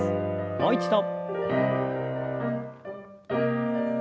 もう一度。